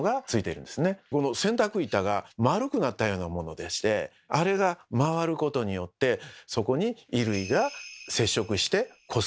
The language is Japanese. この洗濯板が丸くなったようなものでしてあれが回ることによってそこに衣類が接触してこすられる。